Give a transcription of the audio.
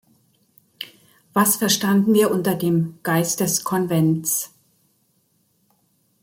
Was verstanden wir unter dem "Geist des Konvents"?